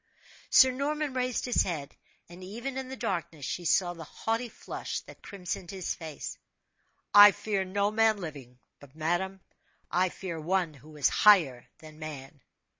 Sir Norman raised his head; and even in the darkness she saw the haughty flush that crimsoned his face. "I fear no man living; but, madame, I fear One who is higher than man!"